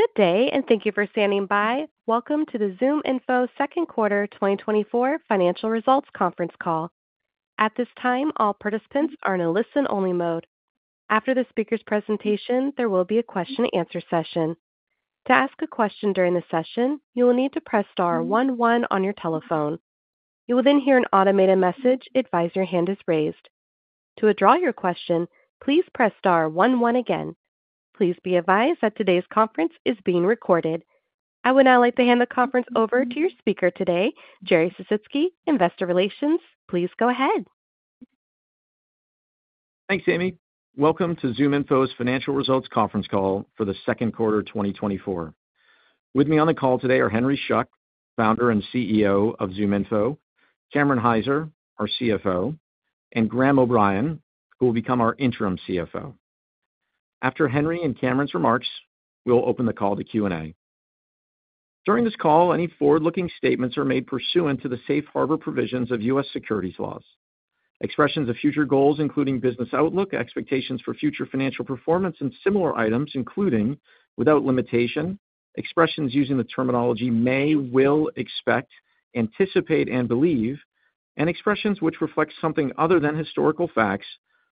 Good day, and thank you for standing by. Welcome to the ZoomInfo Second Quarter 2024 Financial Results Conference Call. At this time, all participants are in a listen-only mode. After the speaker's presentation, there will be a question-and-answer session. To ask a question during the session, you will need to press star one one on your telephone. You will then hear an automated message advise your hand is raised. To withdraw your question, please press star one one again. Please be advised that today's conference is being recorded. I would now like to hand the conference over to your speaker today, Jerry Sisitsky, Investor Relations. Please go ahead. Thanks, Amy. Welcome to ZoomInfo's Financial Results Conference Call for the Second Quarter 2024. With me on the call today are Henry Schuck, founder and CEO of ZoomInfo; Cameron Hyzer, our CFO; and Graham O'Brien, who will become our interim CFO. After Henry and Cameron's remarks, we'll open the call to Q&A. During this call, any forward-looking statements are made pursuant to the safe harbor provisions of U.S. securities laws. Expressions of future goals, including business outlook, expectations for future financial performance, and similar items, including without limitation, expressions using the terminology may, will, expect, anticipate, and believe, and expressions which reflect something other than historical facts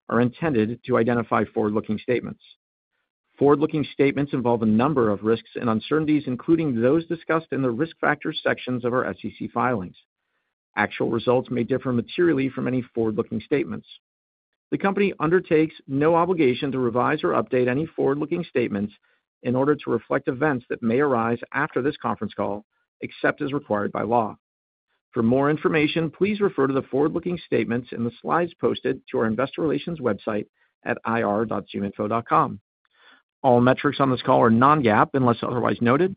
are intended to identify forward-looking statements. Forward-looking statements involve a number of risks and uncertainties, including those discussed in the risk factors sections of our SEC filings. Actual results may differ materially from any forward-looking statements. The company undertakes no obligation to revise or update any forward-looking statements in order to reflect events that may arise after this conference call, except as required by law. For more information, please refer to the forward-looking statements in the slides posted to our Investor Relations website at ir.zoominfo.com. All metrics on this call are non-GAAP unless otherwise noted.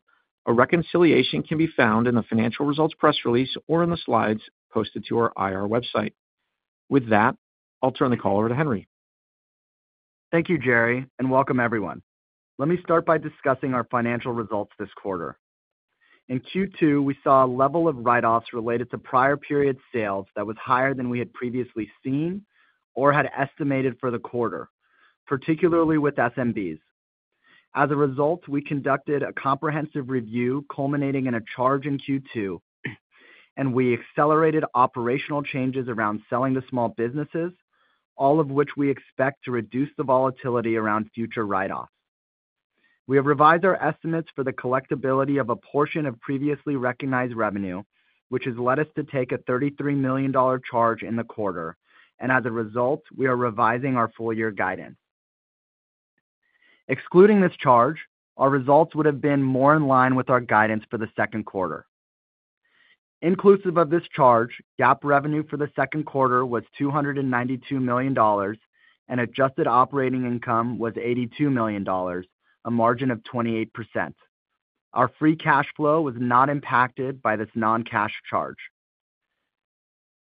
A reconciliation can be found in the financial results press release or in the slides posted to our IR website. With that, I'll turn the call over to Henry. Thank you, Jerry, and welcome, everyone. Let me start by discussing our financial results this quarter. In Q2, we saw a level of write-offs related to prior period sales that was higher than we had previously seen or had estimated for the quarter, particularly with SMBs. As a result, we conducted a comprehensive review culminating in a charge in Q2, and we accelerated operational changes around selling to small businesses, all of which we expect to reduce the volatility around future write-offs. We have revised our estimates for the collectibility of a portion of previously recognized revenue, which has led us to take a $33 million charge in the quarter, and as a result, we are revising our full-year guidance. Excluding this charge, our results would have been more in line with our guidance for the second quarter. Inclusive of this charge, GAAP revenue for the second quarter was $292 million, and adjusted operating income was $82 million, a margin of 28%. Our free cash flow was not impacted by this non-cash charge.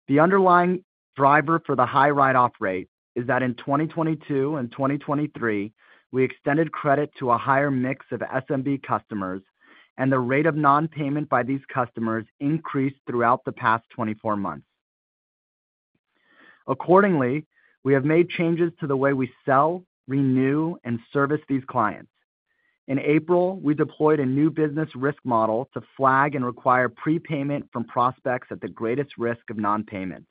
The underlying driver for the high write-off rate is that in 2022 and 2023, we extended credit to a higher mix of SMB customers, and the rate of non-payment by these customers increased throughout the past 24 months. Accordingly, we have made changes to the way we sell, renew, and service these clients. In April, we deployed a new business risk model to flag and require prepayment from prospects at the greatest risk of non-payment.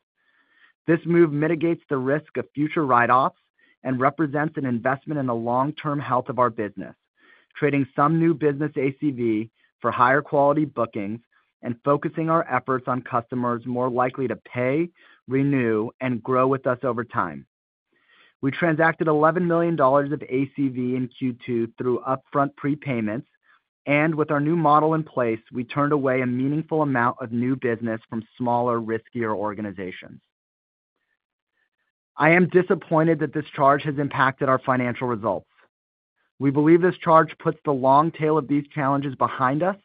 This move mitigates the risk of future write-offs and represents an investment in the long-term health of our business, creating some new business ACV for higher quality bookings and focusing our efforts on customers more likely to pay, renew, and grow with us over time. We transacted $11 million of ACV in Q2 through upfront prepayments, and with our new model in place, we turned away a meaningful amount of new business from smaller, riskier organizations. I am disappointed that this charge has impacted our financial results. We believe this charge puts the long tail of these challenges behind us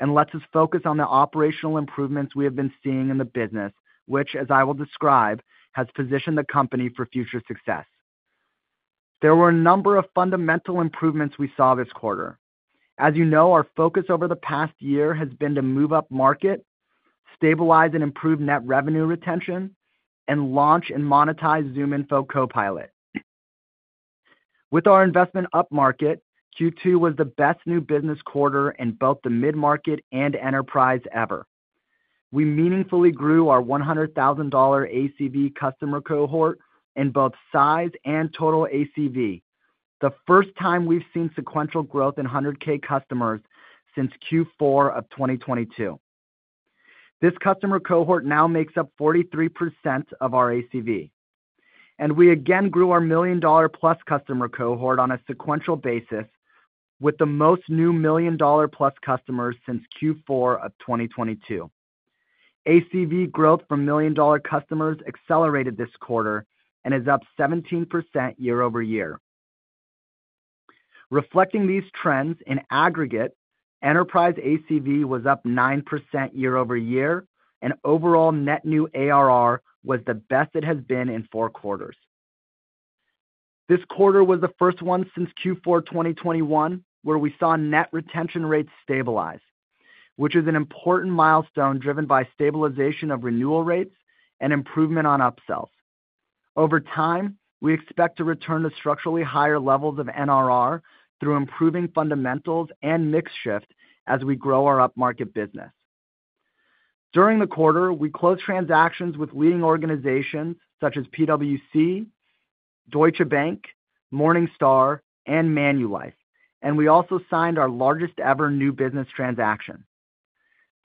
and lets us focus on the operational improvements we have been seeing in the business, which, as I will describe, has positioned the company for future success. There were a number of fundamental improvements we saw this quarter. As you know, our focus over the past year has been to move up market, stabilize and improve net revenue retention, and launch and monetize ZoomInfo Copilot. With our investment up market, Q2 was the best new business quarter in both the mid-market and enterprise ever. We meaningfully grew our $100,000 ACV customer cohort in both size and total ACV, the first time we've seen sequential growth in 100K customers since Q4 of 2022. This customer cohort now makes up 43% of our ACV, and we again grew our million-dollar-plus customer cohort on a sequential basis with the most new million-dollar-plus customers since Q4 of 2022. ACV growth from million-dollar customers accelerated this quarter and is up 17% year-over-year. Reflecting these trends in aggregate, enterprise ACV was up 9% year-over-year, and overall net new ARR was the best it has been in four quarters. This quarter was the first one since Q4 2021 where we saw net retention rates stabilize, which is an important milestone driven by stabilization of renewal rates and improvement on upsells. Over time, we expect to return to structurally higher levels of NRR through improving fundamentals and mix shift as we grow our up-market business. During the quarter, we closed transactions with leading organizations such as PwC, Deutsche Bank, Morningstar, and Manulife, and we also signed our largest-ever new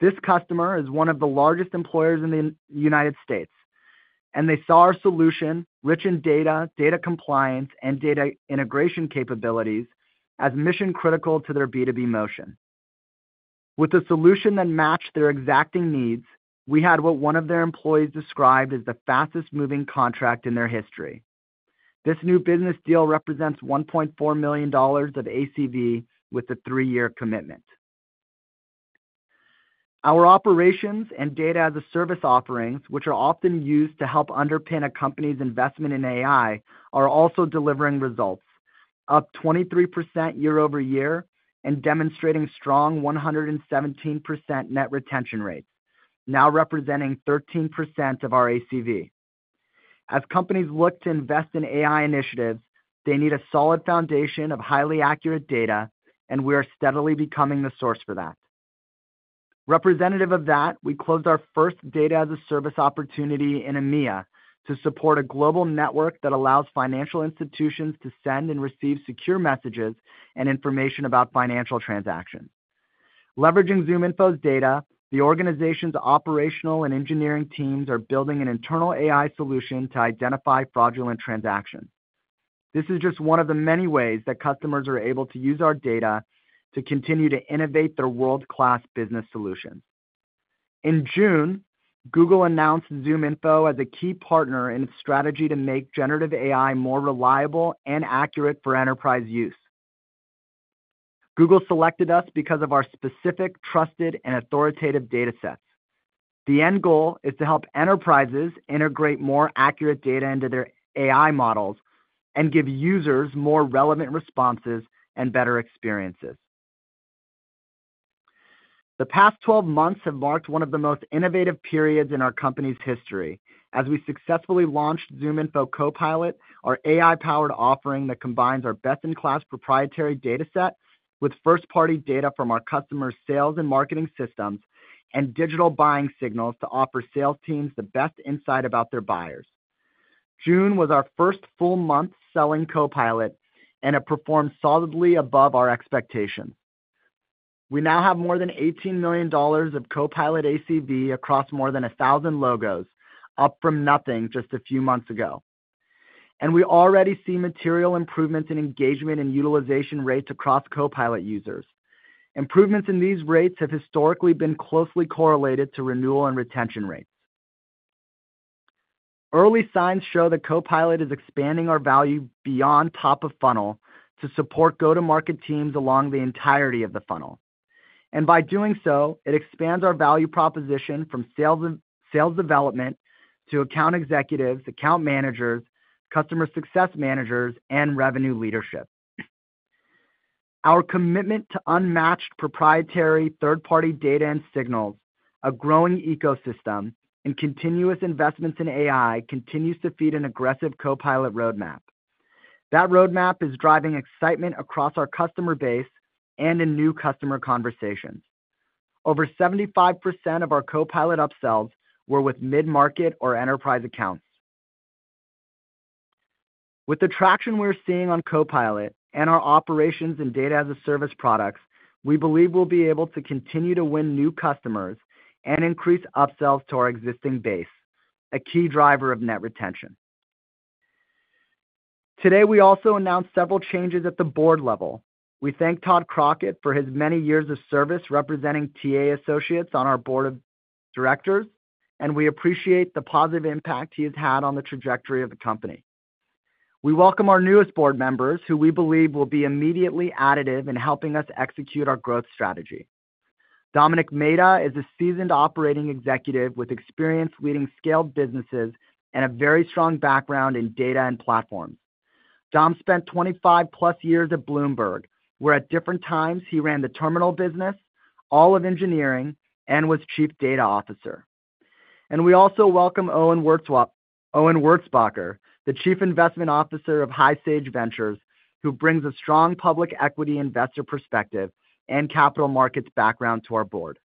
business transaction. This customer is one of the largest employers in the United States, and they saw our solution, rich in data, data compliance, and data integration capabilities, as mission-critical to their B2B motion. With a solution that matched their exacting needs, we had what one of their employees described as the fastest-moving contract in their history. This new business deal represents $1.4 million of ACV with a three-year commitment. Our operations and data-as-a-service offerings, which are often used to help underpin a company's investment in AI, are also delivering results, up 23% year-over-year and demonstrating strong 117% net retention rates, now representing 13% of our ACV. As companies look to invest in AI initiatives, they need a solid foundation of highly accurate data, and we are steadily becoming the source for that. Representative of that, we closed our first data-as-a-service opportunity in EMEA to support a global network that allows financial institutions to send and receive secure messages and information about financial transactions. Leveraging ZoomInfo's data, the organization's operational and engineering teams are building an internal AI solution to identify fraudulent transactions. This is just one of the many ways that customers are able to use our data to continue to innovate their world-class business solutions. In June, Google announced ZoomInfo as a key partner in its strategy to make generative AI more reliable and accurate for enterprise use. Google selected us because of our specific, trusted, and authoritative data sets. The end goal is to help enterprises integrate more accurate data into their AI models and give users more relevant responses and better experiences. The past 12 months have marked one of the most innovative periods in our company's history. As we successfully launched ZoomInfo Copilot, our AI-powered offering that combines our best-in-class proprietary data set with first-party data from our customers' sales and marketing systems and digital buying signals to offer sales teams the best insight about their buyers. June was our first full-month selling Copilot, and it performed solidly above our expectations. We now have more than $18 million of Copilot ACV across more than 1,000 logos, up from nothing just a few months ago. We already see material improvements in engagement and utilization rates across Copilot users. Improvements in these rates have historically been closely correlated to renewal and retention rates. Early signs show that Copilot is expanding our value beyond top of funnel to support go-to-market teams along the entirety of the funnel. By doing so, it expands our value proposition from sales development to account executives, account managers, customer success managers, and revenue leadership. Our commitment to unmatched proprietary third-party data and signals, a growing ecosystem, and continuous investments in AI continues to feed an aggressive Copilot roadmap. That roadmap is driving excitement across our customer base and in new customer conversations. Over 75% of our Copilot upsells were with mid-market or enterprise accounts. With the traction we're seeing on Copilot and our operations and data-as-a-service products, we believe we'll be able to continue to win new customers and increase upsells to our existing base, a key driver of net retention. Today, we also announced several changes at the board level. We thank Todd Crockett for his many years of service representing TA Associates on our board of directors, and we appreciate the positive impact he has had on the trajectory of the company. We welcome our newest board members, who we believe will be immediately additive in helping us execute our growth strategy. Domenic Maida is a seasoned operating executive with experience leading scaled businesses and a very strong background in data and platforms. Dom spent 25+ years at Bloomberg, where at different times he ran the terminal business, all of engineering, and was chief data officer. And we also welcome Owen Wurzbacher, the Chief Investment Officer of HighSage Ventures, who brings a strong public equity investor perspective and capital markets background to our board.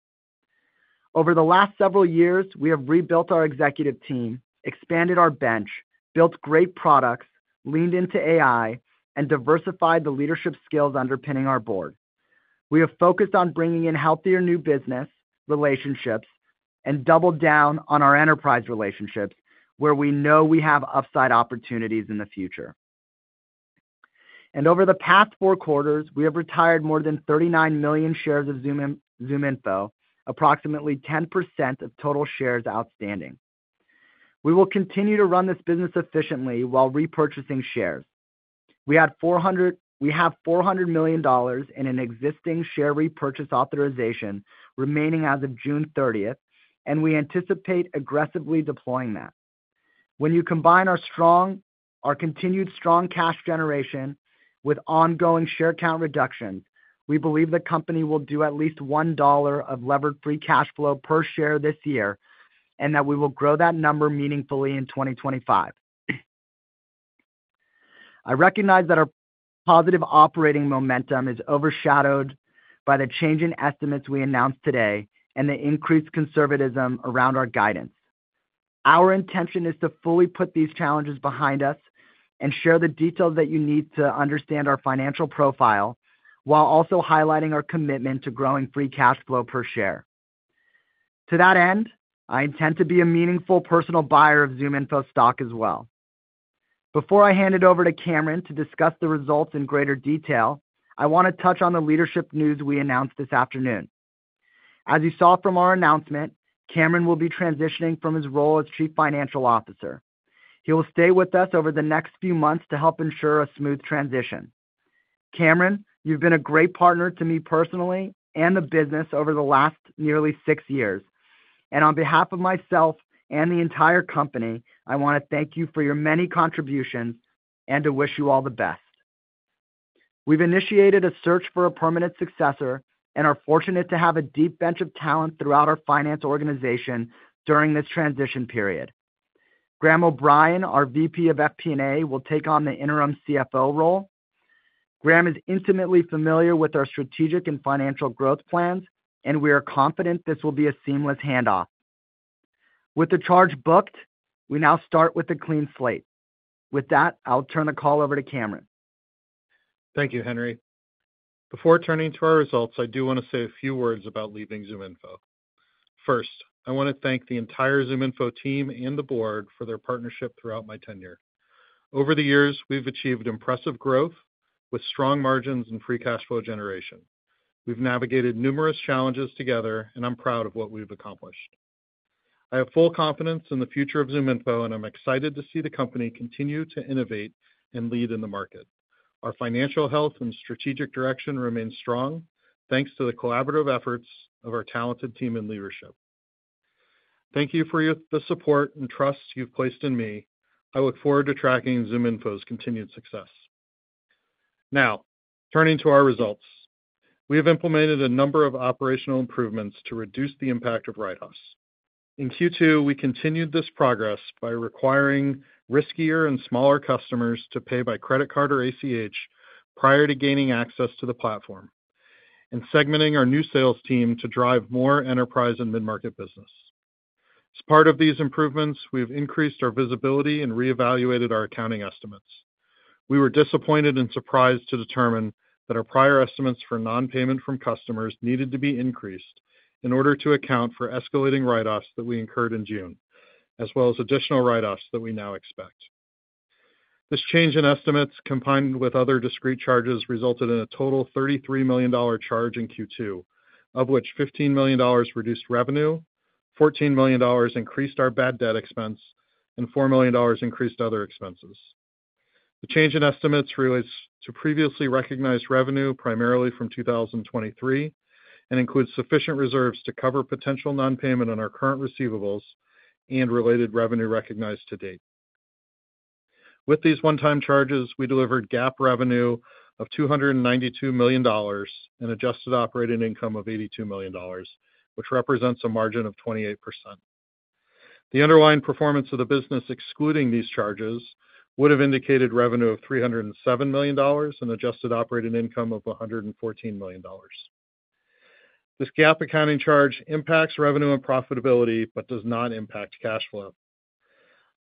Over the last several years, we have rebuilt our executive team, expanded our bench, built great products, leaned into AI, and diversified the leadership skills underpinning our board. We have focused on bringing in healthier new business relationships and doubled down on our enterprise relationships, where we know we have upside opportunities in the future. And over the past four quarters, we have retired more than 39 million shares of ZoomInfo, approximately 10% of total shares outstanding. We will continue to run this business efficiently while repurchasing shares. We have $400 million in an existing share repurchase authorization remaining as of June 30, and we anticipate aggressively deploying that. When you combine our continued strong cash generation with ongoing share count reductions, we believe the company will do at least $1 of levered free cash flow per share this year and that we will grow that number meaningfully in 2025. I recognize that our positive operating momentum is overshadowed by the change in estimates we announced today and the increased conservatism around our guidance. Our intention is to fully put these challenges behind us and share the details that you need to understand our financial profile while also highlighting our commitment to growing free cash flow per share. To that end, I intend to be a meaningful personal buyer of ZoomInfo stock as well. Before I hand it over to Cameron to discuss the results in greater detail, I want to touch on the leadership news we announced this afternoon. As you saw from our announcement, Cameron will be transitioning from his role as Chief Financial Officer. He will stay with us over the next few months to help ensure a smooth transition. Cameron, you've been a great partner to me personally and the business over the last nearly six years. And on behalf of myself and the entire company, I want to thank you for your many contributions and to wish you all the best. We've initiated a search for a permanent successor and are fortunate to have a deep bench of talent throughout our finance organization during this transition period. Graham O'Brien, our VP of FP&A, will take on the interim CFO role. Graham is intimately familiar with our strategic and financial growth plans, and we are confident this will be a seamless handoff. With the charge booked, we now start with a clean slate. With that, I'll turn the call over to Cameron. Thank you, Henry. Before turning to our results, I do want to say a few words about leaving ZoomInfo. First, I want to thank the entire ZoomInfo team and the board for their partnership throughout my tenure. Over the years, we've achieved impressive growth with strong margins and free cash flow generation. We've navigated numerous challenges together, and I'm proud of what we've accomplished. I have full confidence in the future of ZoomInfo, and I'm excited to see the company continue to innovate and lead in the market. Our financial health and strategic direction remain strong, thanks to the collaborative efforts of our talented team and leadership. Thank you for the support and trust you've placed in me. I look forward to tracking ZoomInfo's continued success. Now, turning to our results, we have implemented a number of operational improvements to reduce the impact of write-offs. In Q2, we continued this progress by requiring riskier and smaller customers to pay by credit card or ACH prior to gaining access to the platform and segmenting our new sales team to drive more enterprise and mid-market business. As part of these improvements, we've increased our visibility and reevaluated our accounting estimates. We were disappointed and surprised to determine that our prior estimates for non-payment from customers needed to be increased in order to account for escalating write-offs that we incurred in June, as well as additional write-offs that we now expect. This change in estimates, combined with other discrete charges, resulted in a total $33 million charge in Q2, of which $15 million reduced revenue, $14 million increased our bad debt expense, and $4 million increased other expenses. The change in estimates relates to previously recognized revenue primarily from 2023 and includes sufficient reserves to cover potential non-payment on our current receivables and related revenue recognized to date. With these one-time charges, we delivered GAAP revenue of $292 million and adjusted operating income of $82 million, which represents a margin of 28%. The underlying performance of the business excluding these charges would have indicated revenue of $307 million and adjusted operating income of $114 million. This GAAP accounting charge impacts revenue and profitability but does not impact cash flow.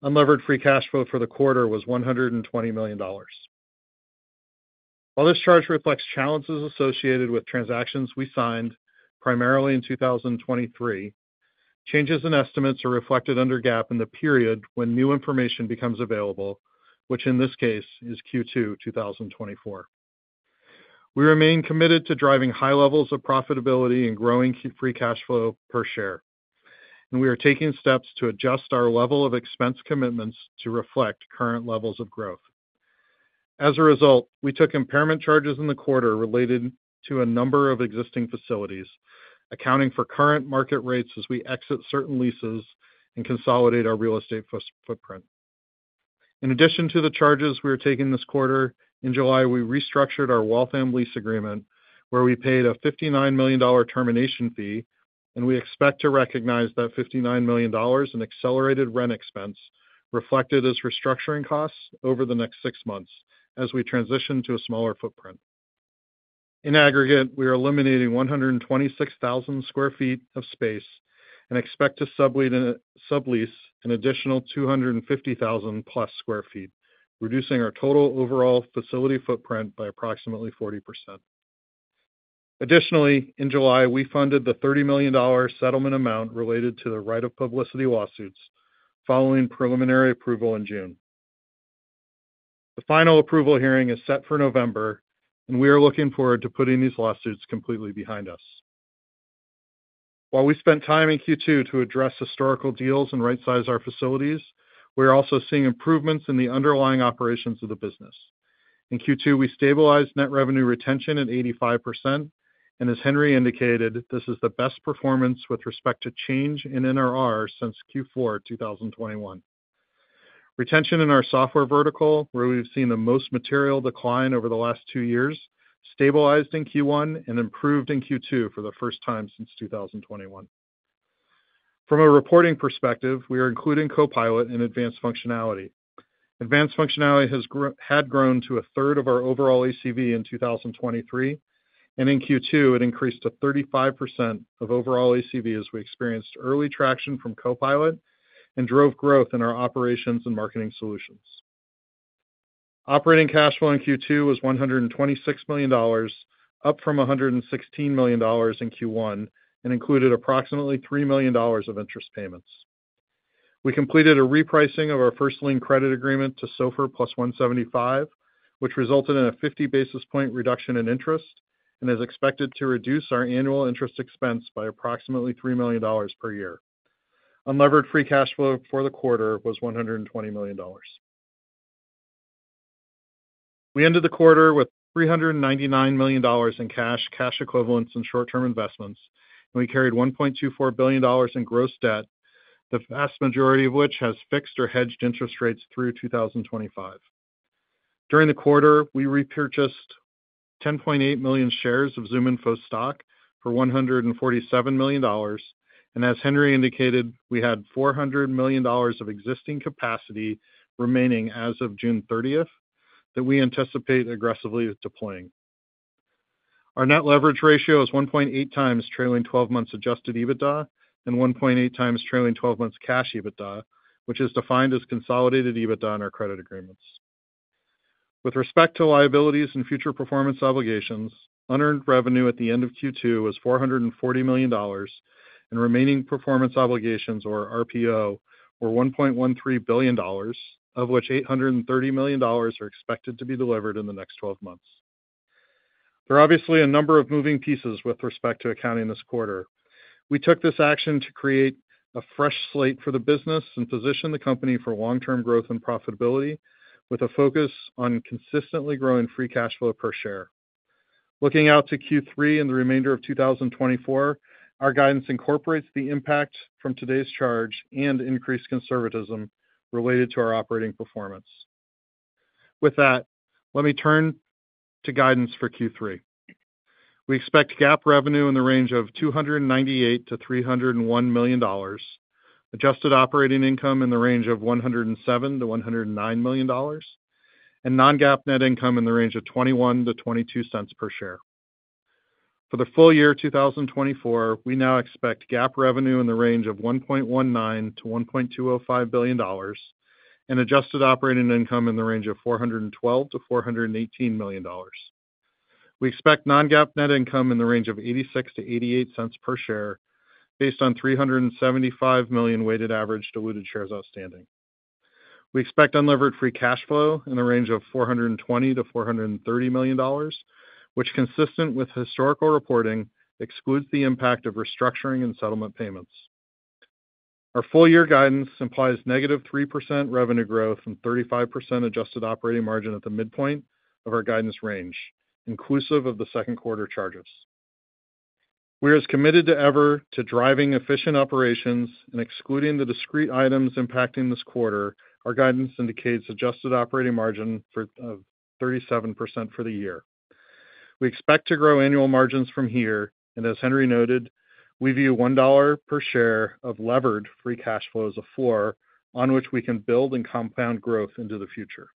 Unlevered free cash flow for the quarter was $120 million. While this charge reflects challenges associated with transactions we signed primarily in 2023, changes in estimates are reflected under GAAP in the period when new information becomes available, which in this case is Q2 2024. We remain committed to driving high levels of profitability and growing free cash flow per share, and we are taking steps to adjust our level of expense commitments to reflect current levels of growth. As a result, we took impairment charges in the quarter related to a number of existing facilities, accounting for current market rates as we exit certain leases and consolidate our real estate footprint. In addition to the charges we are taking this quarter, in July, we restructured our Waltham lease agreement, where we paid a $59 million termination fee, and we expect to recognize that $59 million in accelerated rent expense reflected as restructuring costs over the next six months as we transition to a smaller footprint. In aggregate, we are eliminating 126,000 sq ft of space and expect to sublease an additional 250,000+ sq ft, reducing our total overall facility footprint by approximately 40%. Additionally, in July, we funded the $30 million settlement amount related to the right of publicity lawsuits following preliminary approval in June. The final approval hearing is set for November, and we are looking forward to putting these lawsuits completely behind us. While we spent time in Q2 to address historical deals and right-size our facilities, we are also seeing improvements in the underlying operations of the business. In Q2, we stabilized net revenue retention at 85%, and as Henry indicated, this is the best performance with respect to change in NRR since Q4 2021. Retention in our software vertical, where we've seen the most material decline over the last two years, stabilized in Q1 and improved in Q2 for the first time since 2021. From a reporting perspective, we are including Copilot in advanced functionality. Advanced functionality had grown to a third of our overall ACV in 2023, and in Q2, it increased to 35% of overall ACV as we experienced early traction from Copilot and drove growth in our operations and marketing solutions. Operating cash flow in Q2 was $126 million, up from $116 million in Q1, and included approximately $3 million of interest payments. We completed a repricing of our first lien credit agreement to SOFR plus 175, which resulted in a 50 basis point reduction in interest and is expected to reduce our annual interest expense by approximately $3 million per year. Unlevered free cash flow for the quarter was $120 million. We ended the quarter with $399 million in cash, cash equivalents, and short-term investments, and we carried $1.24 billion in gross debt, the vast majority of which has fixed or hedged interest rates through 2025. During the quarter, we repurchased 10.8 million shares of ZoomInfo stock for $147 million, and as Henry indicated, we had $400 million of existing capacity remaining as of June 30 that we anticipate aggressively deploying. Our net leverage ratio is 1.8 times trailing 12 months adjusted EBITDA and 1.8 times trailing 12 months cash EBITDA, which is defined as consolidated EBITDA in our credit agreements. With respect to liabilities and future performance obligations, unearned revenue at the end of Q2 was $440 million, and remaining performance obligations, or RPO, were $1.13 billion, of which $830 million are expected to be delivered in the next 12 months. There are obviously a number of moving pieces with respect to accounting this quarter. We took this action to create a fresh slate for the business and position the company for long-term growth and profitability with a focus on consistently growing free cash flow per share. Looking out to Q3 and the remainder of 2024, our guidance incorporates the impact from today's charge and increased conservatism related to our operating performance. With that, let me turn to guidance for Q3. We expect GAAP revenue in the range of $298-$301 million, adjusted operating income in the range of $107-$109 million, and non-GAAP net income in the range of $0.21-$0.22 per share. For the full year 2024, we now expect GAAP revenue in the range of $1.19-$1.205 billion, and adjusted operating income in the range of $412-$418 million. We expect non-GAAP net income in the range of $0.86-$0.88 per share based on $375 million weighted average diluted shares outstanding. We expect unlevered free cash flow in the range of $420-$430 million, which, consistent with historical reporting, excludes the impact of restructuring and settlement payments. Our full year guidance implies -3% revenue growth and 35% adjusted operating margin at the midpoint of our guidance range, inclusive of the second quarter charges. We are as committed as ever to driving efficient operations and excluding the discrete items impacting this quarter, our guidance indicates adjusted operating margin of 37% for the year. We expect to grow annual margins from here, and as Henry noted, we view $1 per share of levered free cash flow as a floor on which we can build and compound growth into the future.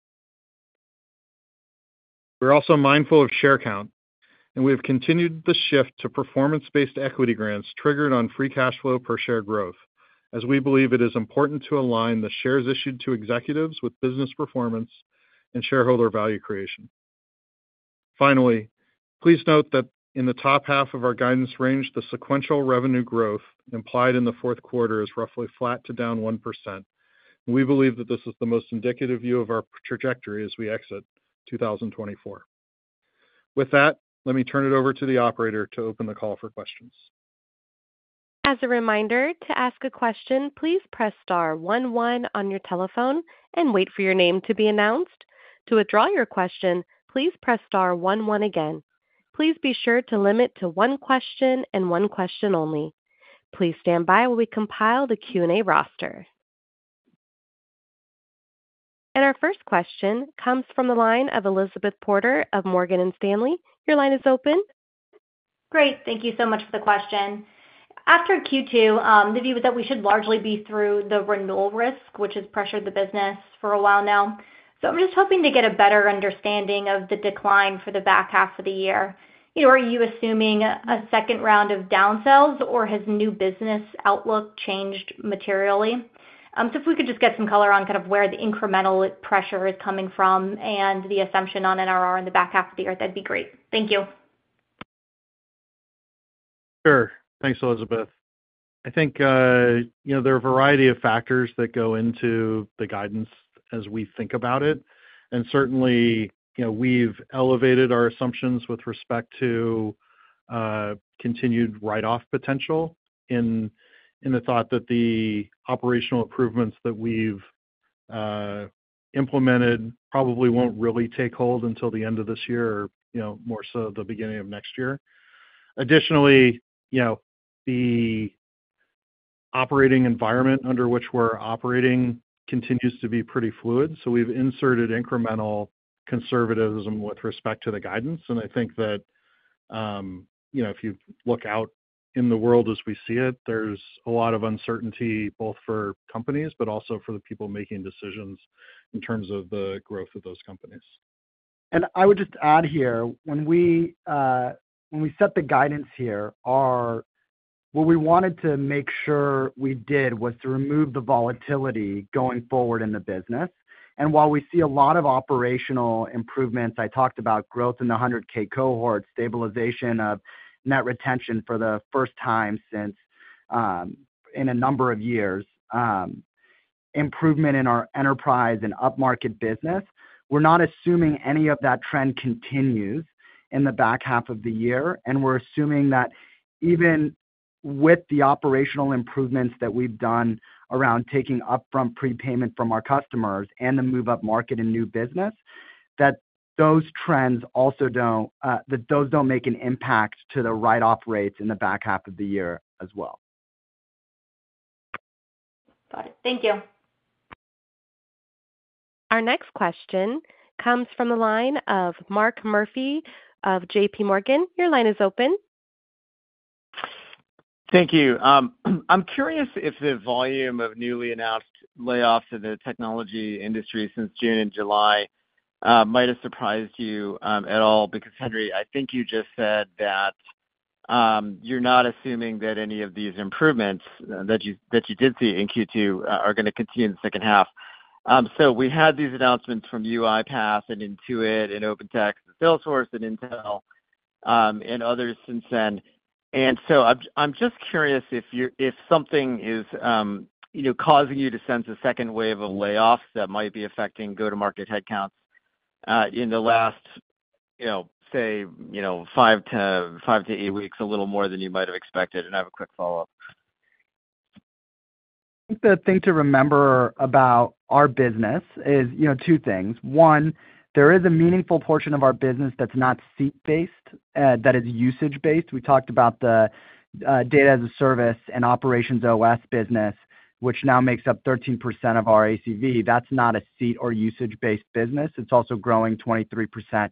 We're also mindful of share count, and we have continued the shift to performance-based equity grants triggered on free cash flow per share growth, as we believe it is important to align the shares issued to executives with business performance and shareholder value creation. Finally, please note that in the top half of our guidance range, the sequential revenue growth implied in the fourth quarter is roughly flat to down 1%. We believe that this is the most indicative view of our trajectory as we exit 2024. With that, let me turn it over to the operator to open the call for questions. As a reminder, to ask a question, please press star one one on your telephone and wait for your name to be announced. To withdraw your question, please press star one one again. Please be sure to limit to one question and one question only. Please stand by while we compile the Q&A roster. Our first question comes from the line of Elizabeth Porter of Morgan Stanley. Your line is open. Great. Thank you so much for the question. After Q2, the view was that we should largely be through the renewal risk, which has pressured the business for a while now. I'm just hoping to get a better understanding of the decline for the back half of the year. Are you assuming a second round of downsells, or has new business outlook changed materially? If we could just get some color on kind of where the incremental pressure is coming from and the assumption on NRR in the back half of the year, that'd be great. Thank you. Sure. Thanks, Elizabeth. I think there are a variety of factors that go into the guidance as we think about it. And certainly, we've elevated our assumptions with respect to continued write-off potential in the thought that the operational improvements that we've implemented probably won't really take hold until the end of this year, more so the beginning of next year. Additionally, the operating environment under which we're operating continues to be pretty fluid, so we've inserted incremental conservatism with respect to the guidance. And I think that if you look out in the world as we see it, there's a lot of uncertainty both for companies but also for the people making decisions in terms of the growth of those companies. And I would just add here, when we set the guidance here, what we wanted to make sure we did was to remove the volatility going forward in the business. While we see a lot of operational improvements, I talked about growth in the 100K cohort, stabilization of net retention for the first time in a number of years, improvement in our enterprise and upmarket business. We're not assuming any of that trend continues in the back half of the year, and we're assuming that even with the operational improvements that we've done around taking upfront prepayment from our customers and the move-up market and new business, that those trends also don't make an impact to the write-off rates in the back half of the year as well. Got it. Thank you. Our next question comes from the line of Mark Murphy of J.P. Morgan. Your line is open. Thank you. I'm curious if the volume of newly announced layoffs in the technology industry since June and July might have surprised you at all because, Henry, I think you just said that you're not assuming that any of these improvements that you did see in Q2 are going to continue in the second half. So we had these announcements from UiPath and Intuit and OpenText and Salesforce and Intel and others since then. And so I'm just curious if something is causing you to sense a second wave of layoffs that might be affecting go-to-market headcounts in the last, say, 5-8 weeks, a little more than you might have expected. And I have a quick follow-up. I think the thing to remember about our business is two things. One, there is a meaningful portion of our business that's not seat-based, that is usage-based. We talked about the data as a service and OperationsOS business, which now makes up 13% of our ACV. That's not a seat or usage-based business. It's also growing 23%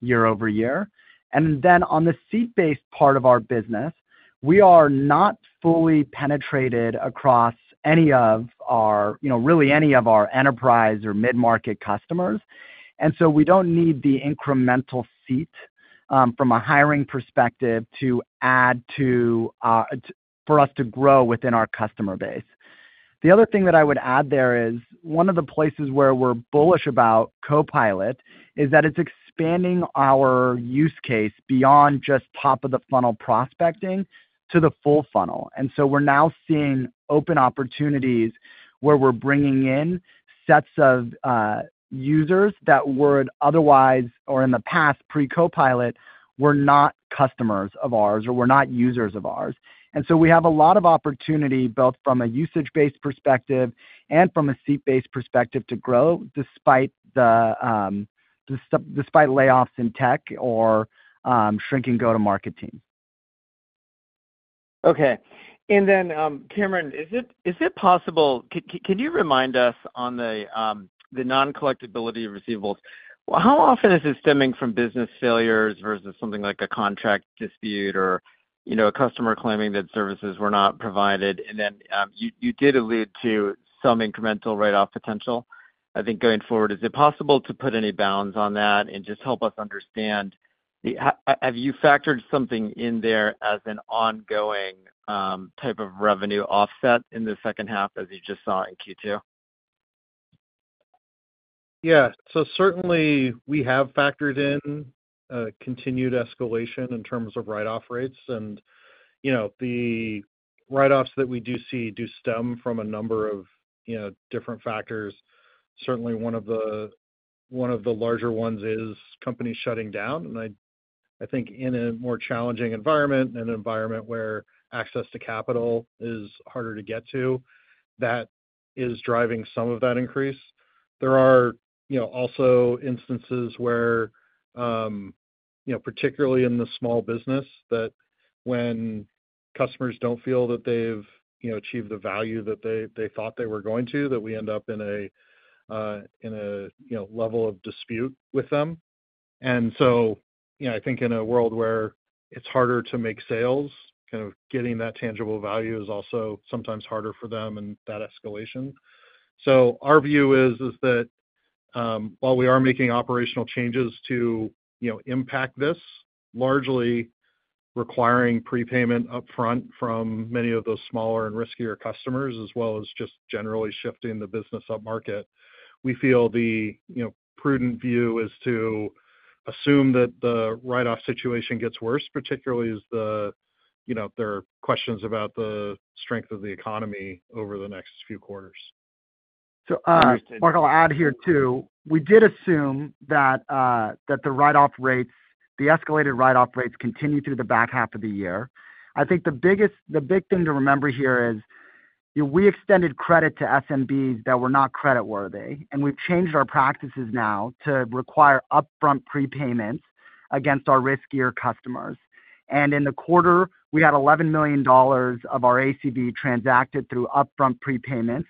year-over-year. And then on the seat-based part of our business, we are not fully penetrated across any of our, really any of our enterprise or mid-market customers. And so we don't need the incremental seat from a hiring perspective to add to for us to grow within our customer base. The other thing that I would add there is one of the places where we're bullish about Copilot is that it's expanding our use case beyond just top-of-the-funnel prospecting to the full funnel. And so we're now seeing open opportunities where we're bringing in sets of users that would otherwise, or in the past, pre-Copilot, were not customers of ours or were not users of ours. And so we have a lot of opportunity both from a usage-based perspective and from a seat-based perspective to grow despite layoffs in tech or shrinking go-to-market teams. Okay. And then, Cameron, is it possible, can you remind us on the non-collectibility of receivables? How often is it stemming from business failures versus something like a contract dispute or a customer claiming that services were not provided? And then you did allude to some incremental write-off potential, I think, going forward. Is it possible to put any bounds on that and just help us understand? Have you factored something in there as an ongoing type of revenue offset in the second half, as you just saw in Q2? Yeah. So certainly, we have factored in continued escalation in terms of write-off rates. And the write-offs that we do see do stem from a number of different factors. Certainly, one of the larger ones is companies shutting down. And I think in a more challenging environment, an environment where access to capital is harder to get to, that is driving some of that increase. There are also instances where, particularly in the small business, that when customers don't feel that they've achieved the value that they thought they were going to, that we end up in a level of dispute with them. And so I think in a world where it's harder to make sales, kind of getting that tangible value is also sometimes harder for them and that escalation. So our view is that while we are making operational changes to impact this, largely requiring prepayment upfront from many of those smaller and riskier customers, as well as just generally shifting the business upmarket, we feel the prudent view is to assume that the write-off situation gets worse, particularly as there are questions about the strength of the economy over the next few quarters. So Mark, I'll add here too. We did assume that the write-off rates, the escalated write-off rates, continue through the back half of the year. I think the big thing to remember here is we extended credit to SMBs that were not creditworthy. And we've changed our practices now to require upfront prepayments against our riskier customers. And in the quarter, we had $11 million of our ACV transacted through upfront prepayments.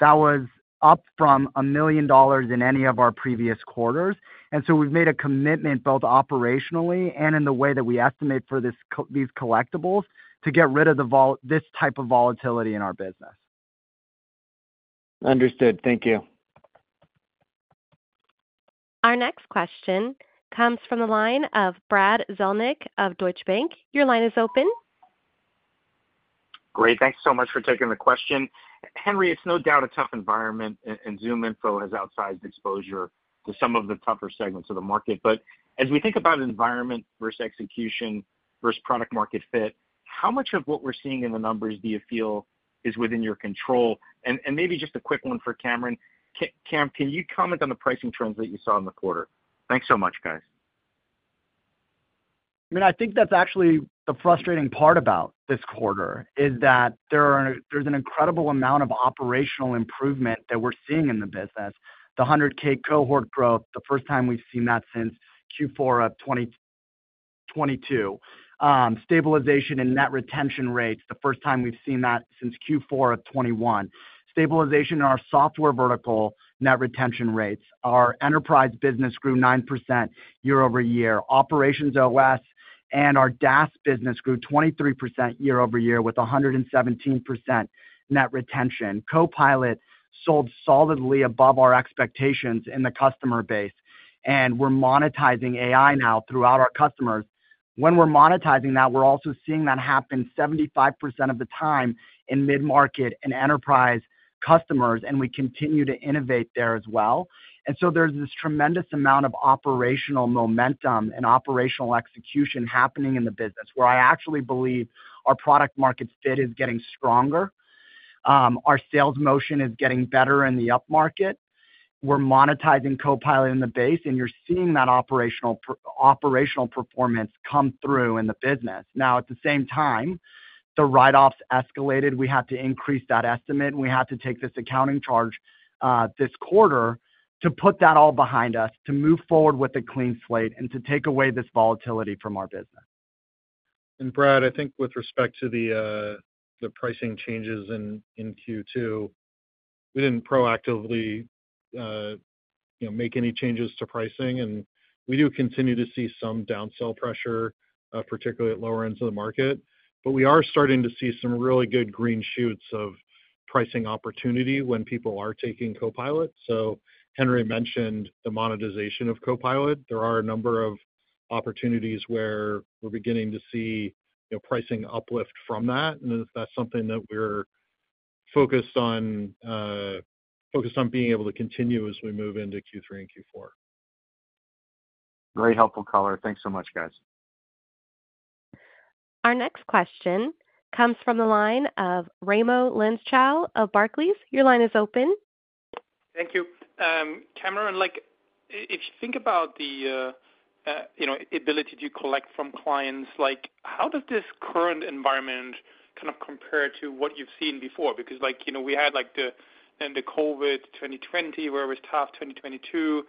That was up from $1 million in any of our previous quarters. And so we've made a commitment both operationally and in the way that we estimate for these collectibles to get rid of this type of volatility in our business. Understood. Thank you. Our next question comes from the line of Brad Zelnick of Deutsche Bank. Your line is open. Great. Thanks so much for taking the question. Henry, it's no doubt a tough environment, and ZoomInfo has outsized exposure to some of the tougher segments of the market. But as we think about environment versus execution versus product-market fit, how much of what we're seeing in the numbers do you feel is within your control? And maybe just a quick one for Cameron. Cam, can you comment on the pricing trends that you saw in the quarter? Thanks so much, guys. I mean, I think that's actually the frustrating part about this quarter is that there's an incredible amount of operational improvement that we're seeing in the business. The 100K cohort growth, the first time we've seen that since Q4 of 2022. Stabilization in net retention rates, the first time we've seen that since Q4 of 2021. Stabilization in our software vertical net retention rates. Our enterprise business grew 9% year-over-year. OperationsOS and our DaaS business grew 23% year-over-year with 117% net retention. Copilot sold solidly above our expectations in the customer base. And we're monetizing AI now throughout our customers. When we're monetizing that, we're also seeing that happen 75% of the time in mid-market and enterprise customers, and we continue to innovate there as well. So there's this tremendous amount of operational momentum and operational execution happening in the business where I actually believe our product-market fit is getting stronger. Our sales motion is getting better in the upmarket. We're monetizing Copilot in the base, and you're seeing that operational performance come through in the business. Now, at the same time, the write-offs escalated. We had to increase that estimate, and we had to take this accounting charge this quarter to put that all behind us, to move forward with a clean slate and to take away this volatility from our business. And Brad, I think with respect to the pricing changes in Q2, we didn't proactively make any changes to pricing. And we do continue to see some downsell pressure, particularly at lower ends of the market. But we are starting to see some really good green shoots of pricing opportunity when people are taking Copilot. So Henry mentioned the monetization of Copilot. There are a number of opportunities where we're beginning to see pricing uplift from that. And that's something that we're focused on being able to continue as we move into Q3 and Q4. Great. Helpful, Caller. Thanks so much, guys. Our next question comes from the line of Raimo Lenschow of Barclays. Your line is open. Thank you. Cameron, if you think about the ability to collect from clients, how does this current environment kind of compare to what you've seen before? Because we had the COVID 2020, where it was tough, 2022.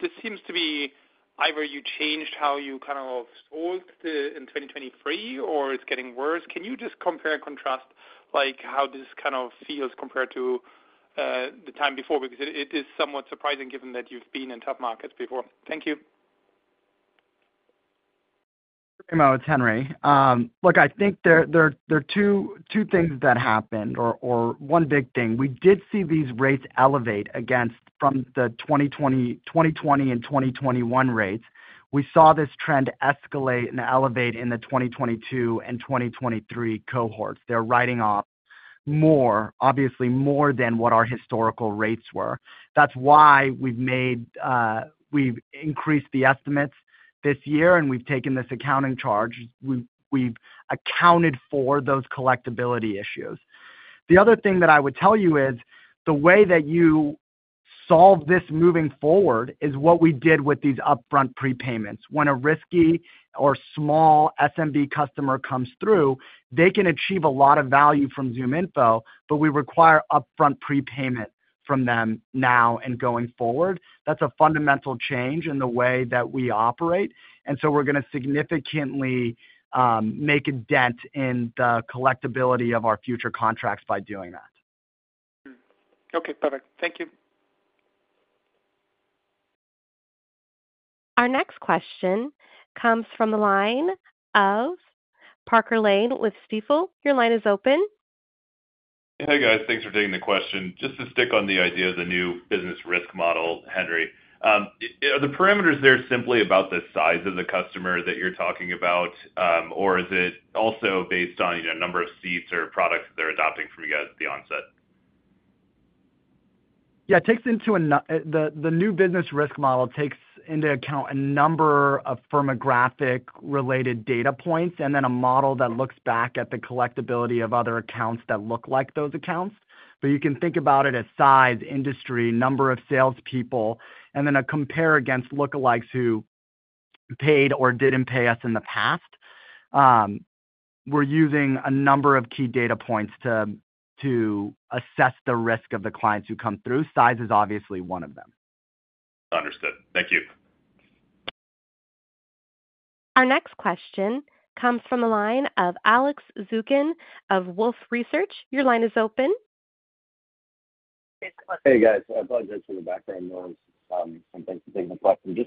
This seems to be either you changed how you kind of sold in 2023, or it's getting worse. Can you just compare and contrast how this kind of feels compared to the time before? Because it is somewhat surprising given that you've been in tough markets before. Thank you. Raimo, it's Henry. Look, I think there are two things that happened or one big thing. We did see these rates elevate against from the 2020 and 2021 rates. We saw this trend escalate and elevate in the 2022 and 2023 cohorts. They're writing off more, obviously more than what our historical rates were. That's why we've increased the estimates this year, and we've taken this accounting charge. We've accounted for those collectibility issues. The other thing that I would tell you is the way that you solve this moving forward is what we did with these upfront prepayments. When a risky or small SMB customer comes through, they can achieve a lot of value from ZoomInfo, but we require upfront prepayment from them now and going forward. That's a fundamental change in the way that we operate. And so we're going to significantly make a dent in the collectibility of our future contracts by doing that. Okay. Perfect. Thank you. Our next question comes from the line of Parker Lane with Stifel. Your line is open. Hey, guys. Thanks for taking the question. Just to stick on the idea of the new business risk model, Henry, are the parameters there simply about the size of the customer that you're talking about, or is it also based on a number of seats or products that they're adopting from you guys at the onset? Yeah. The new business risk model takes into account a number of firmographic-related data points and then a model that looks back at the collectibility of other accounts that look like those accounts. But you can think about it as size, industry, number of salespeople, and then compare against lookalikes who paid or didn't pay us in the past. We're using a number of key data points to assess the risk of the clients who come through. Size is obviously one of them. Understood. Thank you. Our next question comes from the line of Alex Zukin of Wolfe Research. Your line is open. Hey, guys. I apologize for the background noise and things that are playing.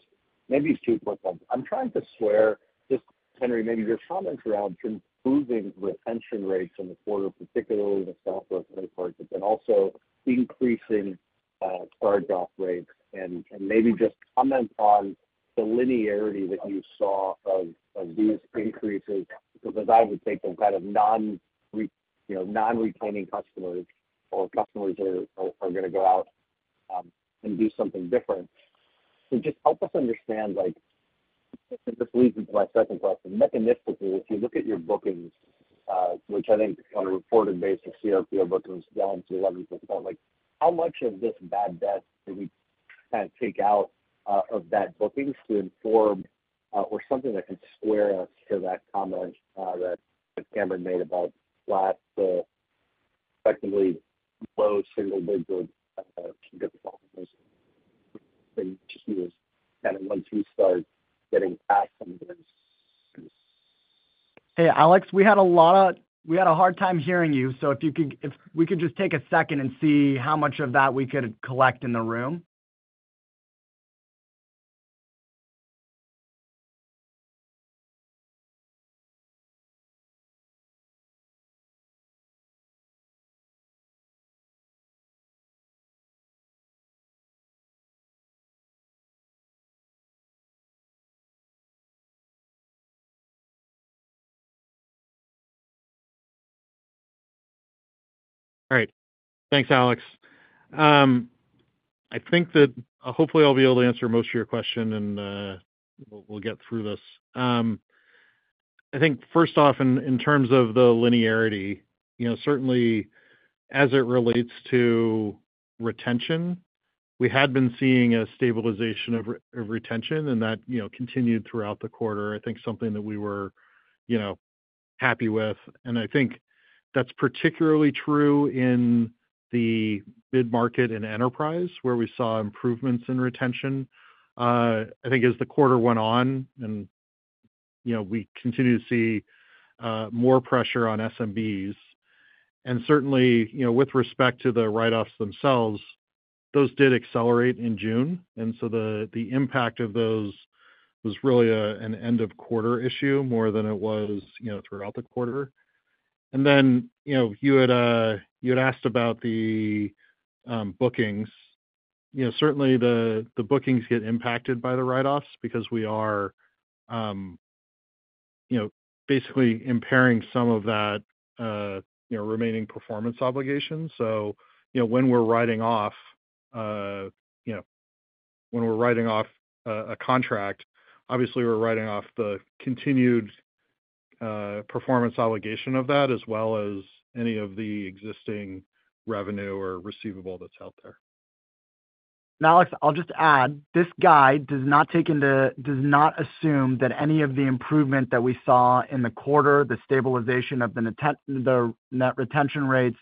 Maybe it's too quick. I'm trying to square just Henry, maybe your comments around improving retention rates in the quarter, particularly in the SMB cohort, but then also increasing start-off rates and maybe just comment on the linearity that you saw of these increases because I would think of kind of non-retaining customers or customers who are going to go out and do something different. So just help us understand, and this leads into my second question. Mechanistically, if you look at your bookings, which I think on a reported basis, CRPO bookings down to 11%, how much of this bad debt do we kind of take out of that booking to inform or something that can square us to that comment that Cameron made about flat, effectively low single-digit growth is kind of once we start getting past some of this. Hey, Alex, we had a hard time hearing you. So if we could just take a second and see how much of that we could catch in the room. All right. Thanks, Alex. I think that hopefully I'll be able to answer most of your question, and we'll get through this. I think, first off, in terms of the linearity, certainly as it relates to retention, we had been seeing a stabilization of retention, and that continued throughout the quarter. I think something that we were happy with. And I think that's particularly true in the mid-market and enterprise where we saw improvements in retention. I think as the quarter went on and we continue to see more pressure on SMBs. And certainly, with respect to the write-offs themselves, those did accelerate in June. And so the impact of those was really an end-of-quarter issue more than it was throughout the quarter. And then you had asked about the bookings. Certainly, the bookings get impacted by the write-offs because we are basically impairing some of that remaining performance obligation. So when we're writing off, when we're writing off a contract, obviously we're writing off the continued performance obligation of that as well as any of the existing revenue or receivable that's out there. And Alex, I'll just add, this guide does not take into does not assume that any of the improvement that we saw in the quarter, the stabilization of the net retention rates,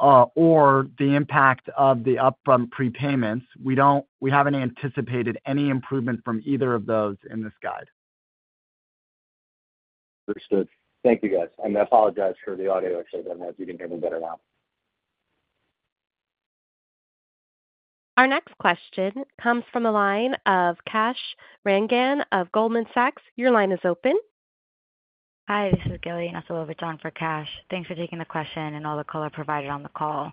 or the impact of the upfront prepayments, we haven't anticipated any improvement from either of those in this guide. Understood. Thank you, guys. And I apologize for the audio issue. I don't know if you can hear me better now. Our next question comes from the line of Kash Rangan of Goldman Sachs. Your line is open. Hi, this is Gili Naftalovich on for Kash. Thanks for taking the question and all the color provided on the call.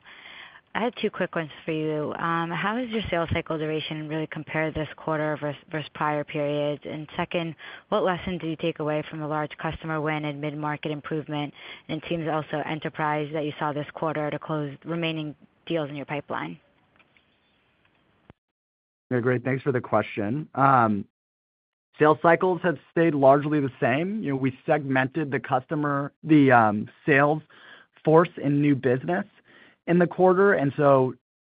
I have two quick ones for you. How has your sales cycle duration really compared this quarter versus prior periods? Second, what lesson do you take away from the large customer win and mid-market improvement and teams also enterprise that you saw this quarter to close remaining deals in your pipeline? Great. Thanks for the question. Sales cycles have stayed largely the same. We segmented the customer, the sales force in new business in the quarter.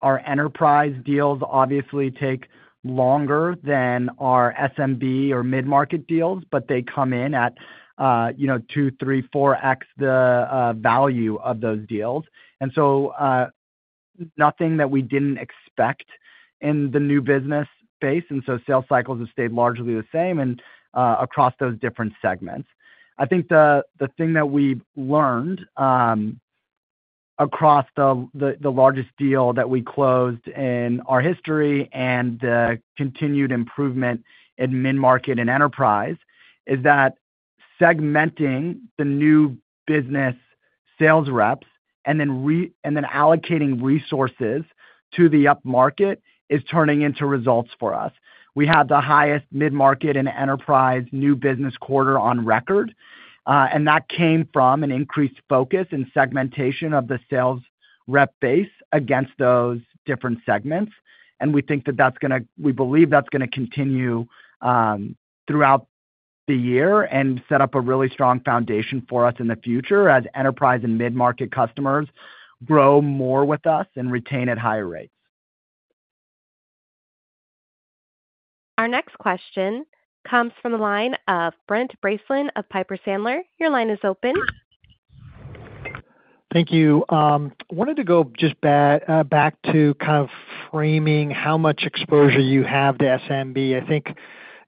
Our enterprise deals obviously take longer than our SMB or mid-market deals, but they come in at 2, 3, 4x the value of those deals. So nothing that we didn't expect in the new business space. So sales cycles have stayed largely the same across those different segments. I think the thing that we've learned across the largest deal that we closed in our history and the continued improvement in mid-market and enterprise is that segmenting the new business sales reps and then allocating resources to the upmarket is turning into results for us. We had the highest mid-market and enterprise new business quarter on record. And that came from an increased focus and segmentation of the sales rep base against those different segments. We think that we believe that's going to continue throughout the year and set up a really strong foundation for us in the future as enterprise and mid-market customers grow more with us and retain at higher rates. Our next question comes from the line of Brent Bracelin of Piper Sandler. Your line is open. Thank you. I wanted to go just back to kind of framing how much exposure you have to SMB. I think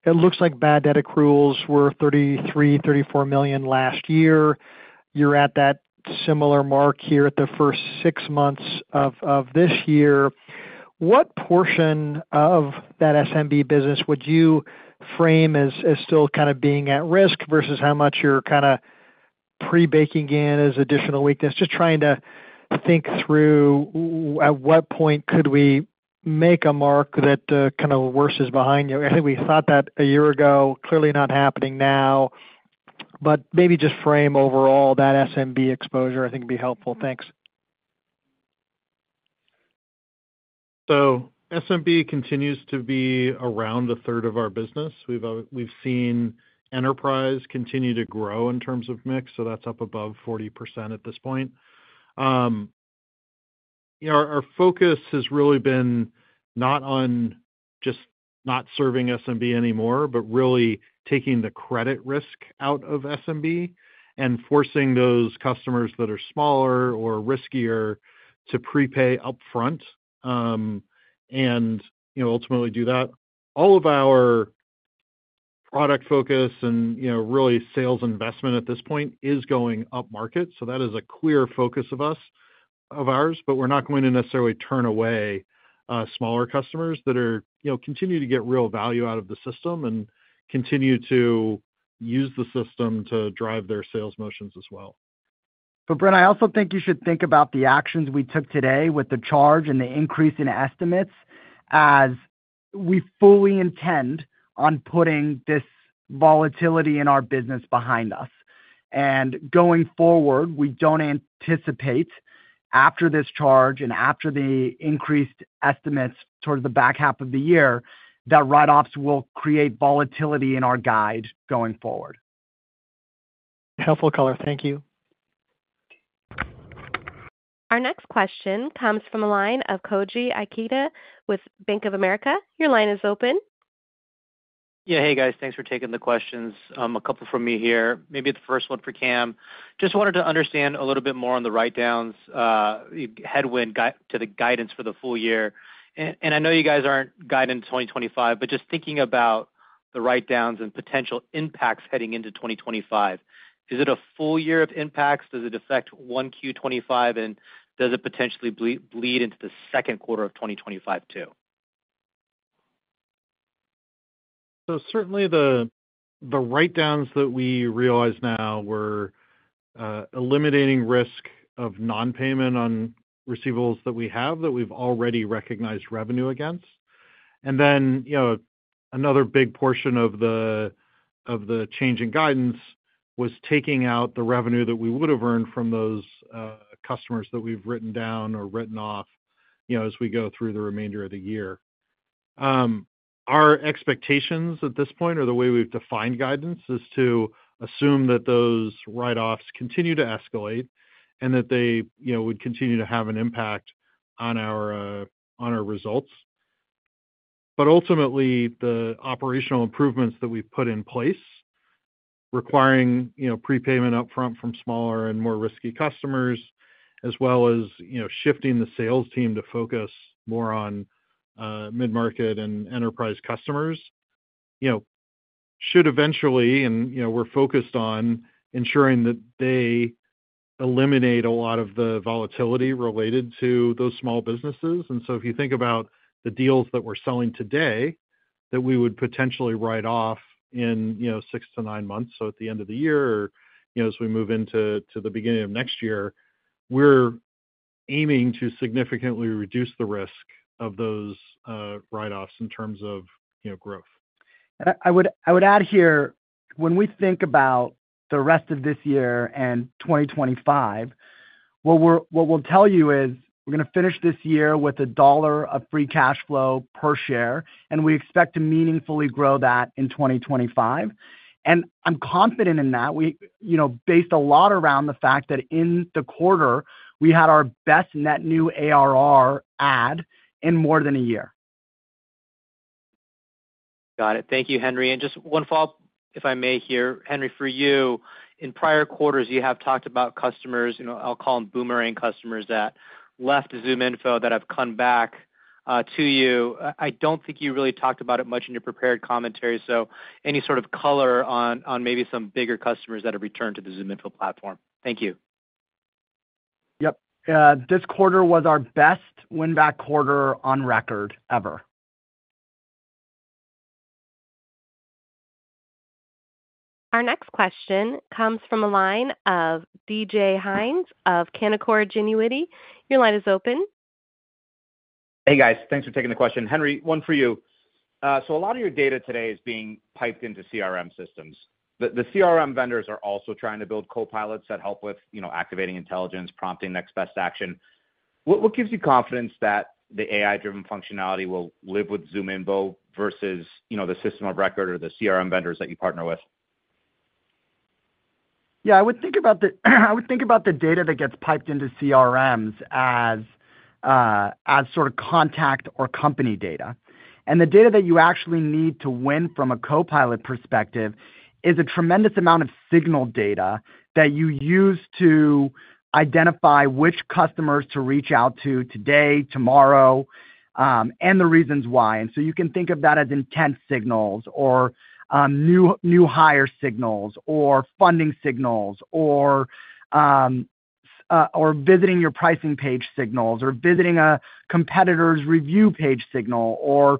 it looks like bad debt accruals were $33-$34 million last year. You're at that similar mark here at the first six months of this year. What portion of that SMB business would you frame as still kind of being at risk versus how much you're kind of pre-baking in as additional weakness? Just trying to think through at what point could we make a mark that kind of worsens behind you. I think we thought that a year ago, clearly not happening now. But maybe just frame overall that SMB exposure, I think, would be helpful. Thanks. So SMB continues to be around a third of our business. We've seen enterprise continue to grow in terms of mix. So that's up above 40% at this point. Our focus has really been not on just not serving SMB anymore, but really taking the credit risk out of SMB and forcing those customers that are smaller or riskier to prepay upfront and ultimately do that. All of our product focus and really sales investment at this point is going upmarket. So that is a clear focus of ours. But we're not going to necessarily turn away smaller customers that continue to get real value out of the system and continue to use the system to drive their sales motions as well. Brent, I also think you should think about the actions we took today with the charge and the increase in estimates as we fully intend on putting this volatility in our business behind us. And going forward, we don't anticipate after this charge and after the increased estimates towards the back half of the year that write-offs will create volatility in our guide going forward. Helpful, caller. Thank you. Our next question comes from the line of Koji Ikeda with Bank of America. Your line is open. Yeah. Hey, guys. Thanks for taking the questions. A couple from me here. Maybe the first one for Cam. Just wanted to understand a little bit more on the write-downs, headwind to the guidance for the full year. And I know you guys aren't guiding 2025, but just thinking about the write-downs and potential impacts heading into 2025, is it a full year of impacts? Does it affect 1Q25? And does it potentially bleed into the second quarter of 2025 too? So certainly the write-downs that we realize now were eliminating risk of non-payment on receivables that we have that we've already recognized revenue against. And then another big portion of the change in guidance was taking out the revenue that we would have earned from those customers that we've written down or written off as we go through the remainder of the year. Our expectations at this point, or the way we've defined guidance, is to assume that those write-offs continue to escalate and that they would continue to have an impact on our results. But ultimately, the operational improvements that we've put in place requiring prepayment upfront from smaller and more risky customers, as well as shifting the sales team to focus more on mid-market and enterprise customers, should eventually, and we're focused on ensuring that they, eliminate a lot of the volatility related to those small businesses. And so if you think about the deals that we're selling today that we would potentially write off in 6-9 months, so at the end of the year or as we move into the beginning of next year, we're aiming to significantly reduce the risk of those write-offs in terms of growth. I would add here, when we think about the rest of this year and 2025, what we'll tell you is we're going to finish this year with $1 of free cash flow per share, and we expect to meaningfully grow that in 2025. I'm confident in that. We based a lot around the fact that in the quarter, we had our best net new ARR add in more than a year. Got it. Thank you, Henry. Just one follow-up, if I may here. Henry, for you, in prior quarters, you have talked about customers - I'll call them boomerang customers - that left ZoomInfo that have come back to you. I don't think you really talked about it much in your prepared commentary. So any sort of color on maybe some bigger customers that have returned to the ZoomInfo platform? Thank you. Yep. This quarter was our best win-back quarter on record ever. Our next question comes from a line of DJ Hynes of Canaccord Genuity. Your line is open. Hey, guys. Thanks for taking the question. Henry, one for you. So a lot of your data today is being piped into CRM systems. The CRM vendors are also trying to build Copilots that help with activating intelligence, prompting next best action. What gives you confidence that the AI-driven functionality will live with ZoomInfo versus the system of record or the CRM vendors that you partner with? Yeah. I would think about the I would think about the data that gets piped into CRMs as sort of contact or company data. And the data that you actually need to win from a Copilot perspective is a tremendous amount of signal data that you use to identify which customers to reach out to today, tomorrow, and the reasons why. And so you can think of that as intent signals or new hire signals or funding signals or visiting your pricing page signals or visiting a competitor's review page signal or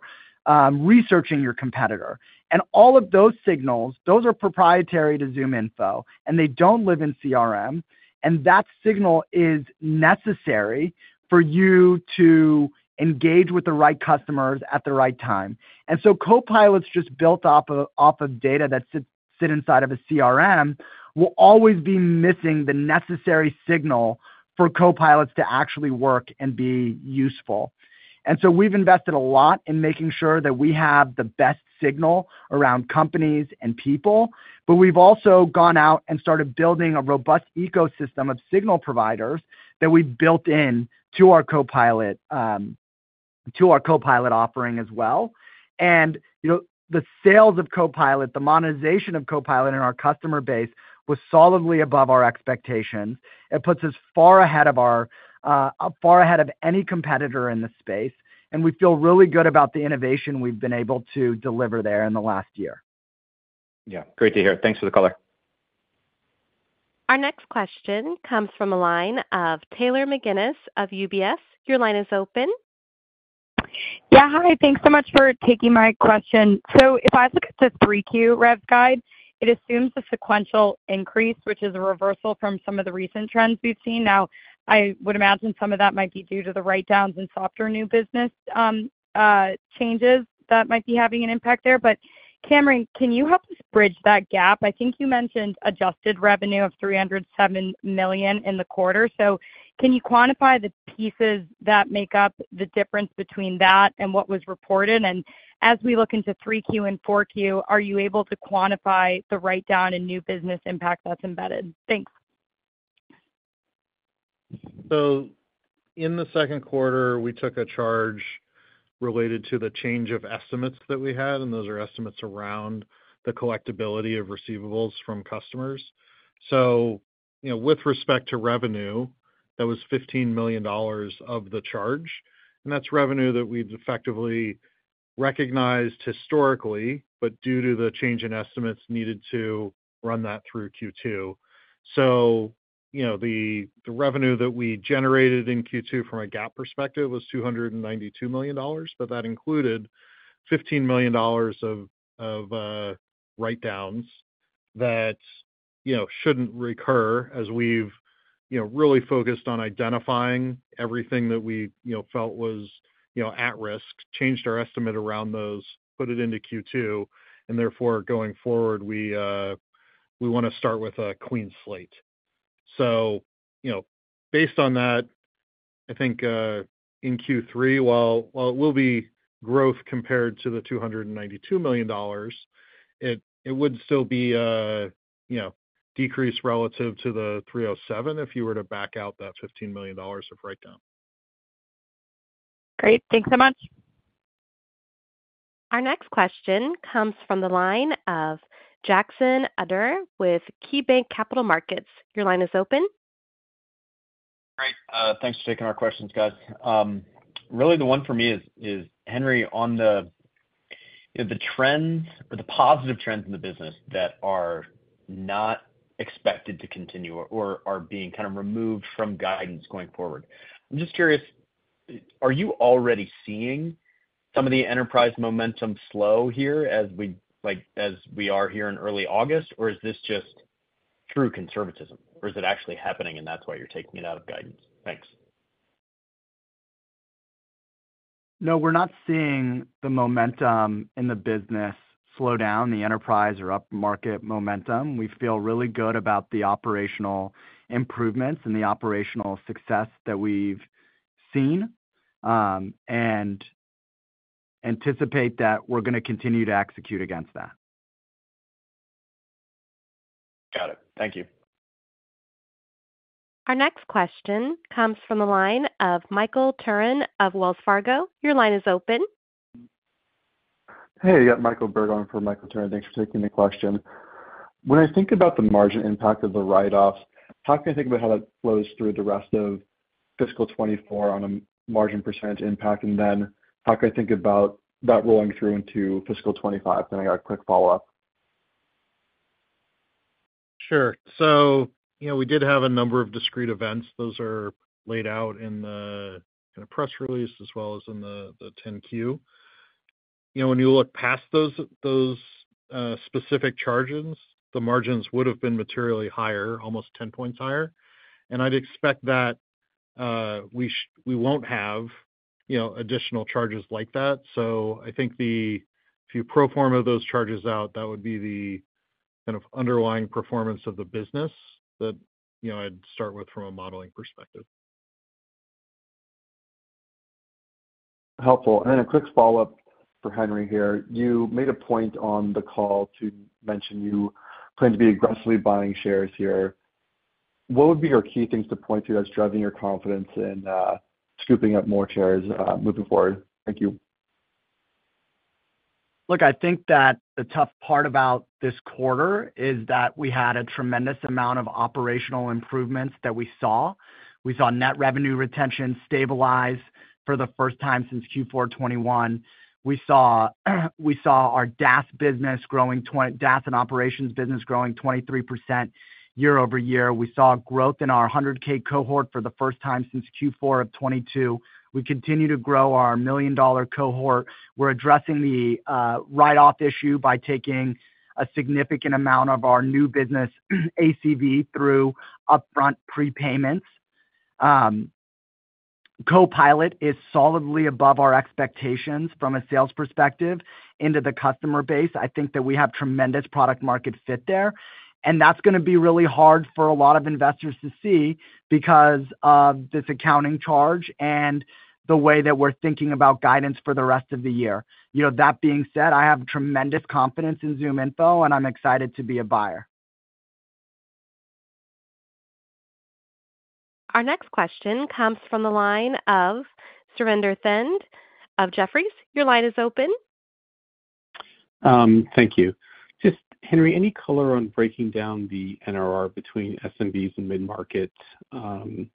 researching your competitor. And all of those signals, those are proprietary to ZoomInfo, and they don't live in CRM. And that signal is necessary for you to engage with the right customers at the right time. And so Copilots just built off of data that sit inside of a CRM will always be missing the necessary signal for Copilots to actually work and be useful. And so we've invested a lot in making sure that we have the best signal around companies and people. But we've also gone out and started building a robust ecosystem of signal providers that we've built into our Copilot offering as well. And the sales of Copilot, the monetization of Copilot in our customer base was solidly above our expectations. It puts us far ahead of any competitor in the space. And we feel really good about the innovation we've been able to deliver there in the last year. Yeah. Great to hear. Thanks for the caller. Our next question comes from a line of Taylor McGinnis of UBS. Your line is open. Yeah. Hi. Thanks so much for taking my question. So if I look at the 3Q Rev Guide, it assumes a sequential increase, which is a reversal from some of the recent trends we've seen. Now, I would imagine some of that might be due to the write-downs and softer new business changes that might be having an impact there. But, Cameron, can you help us bridge that gap? I think you mentioned adjusted revenue of $307 million in the quarter. So can you quantify the pieces that make up the difference between that and what was reported? And as we look into 3Q and 4Q, are you able to quantify the write-down and new business impact that's embedded? Thanks. So in the second quarter, we took a charge related to the change of estimates that we had. And those are estimates around the collectibility of receivables from customers. So with respect to revenue, that was $15 million of the charge. And that's revenue that we've effectively recognized historically, but due to the change in estimates needed to run that through Q2. So the revenue that we generated in Q2 from a GAAP perspective was $292 million. But that included $15 million of write-downs that shouldn't recur as we've really focused on identifying everything that we felt was at risk, changed our estimate around those, put it into Q2. And therefore, going forward, we want to start with a clean slate. So based on that, I think in Q3, while it will be growth compared to the $292 million, it would still be a decrease relative to the $307 million if you were to back out that $15 million of write-down. Great. Thanks so much. Our next question comes from the line of Jackson Ader with KeyBanc Capital Markets. Your line is open. Great. Thanks for taking our questions, guys. Really, the one for me is, Henry, on the trends or the positive trends in the business that are not expected to continue or are being kind of removed from guidance going forward. I'm just curious, are you already seeing some of the enterprise momentum slow here as we are here in early August? Or is this just true conservatism? Or is it actually happening and that's why you're taking it out of guidance? Thanks. No, we're not seeing the momentum in the business slow down, the enterprise or upmarket momentum. We feel really good about the operational improvements and the operational success that we've seen and anticipate that we're going to continue to execute against that. Got it. Thank you. Our next question comes from the line of Michael Turrin of Wells Fargo. Your line is open. Hey. Michael Berg on for Michael Turrin. Thanks for taking the question. When I think about the margin impact of the write-offs, how can I think about how that flows through the rest of fiscal 2024 on a margin percentage impact? And then how can I think about that rolling through into fiscal 2025? Then I got a quick follow-up. Sure. So we did have a number of discrete events. Those are laid out in the kind of press release as well as in the 10-Q. When you look past those specific charges, the margins would have been materially higher, almost 10 points higher. And I'd expect that we won't have additional charges like that. So I think if you pro forma those charges out, that would be the kind of underlying performance of the business that I'd start with from a modeling perspective. Helpful. Then a quick follow-up for Henry here. You made a point on the call to mention you plan to be aggressively buying shares here. What would be your key things to point to as driving your confidence in scooping up more shares moving forward? Thank you. Look, I think that the tough part about this quarter is that we had a tremendous amount of operational improvements that we saw. We saw net revenue retention stabilize for the first time since Q4 2021. We saw our DaaS business growing, DaaS and operations business growing 23% year-over-year. We saw growth in our 100K cohort for the first time since Q4 of 2022. We continue to grow our million-dollar cohort. We're addressing the write-off issue by taking a significant amount of our new business ACV through upfront prepayments. Copilot is solidly above our expectations from a sales perspective into the customer base. I think that we have tremendous product-market fit there. And that's going to be really hard for a lot of investors to see because of this accounting charge and the way that we're thinking about guidance for the rest of the year. That being said, I have tremendous confidence in ZoomInfo, and I'm excited to be a buyer. Our next question comes from the line of Samad Samana of Jefferies. Your line is open. Thank you. Just, Henry, any color on breaking down the NRR between SMBs and mid-market? And